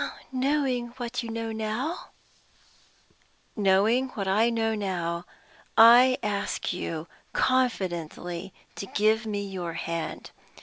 "Knowing what you know now?" "Knowing what I know now, I ask you confidently to give me your hand.